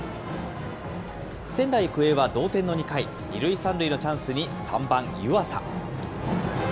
仙台育英は同点の２回、２塁３塁のチャンスに、３番湯浅。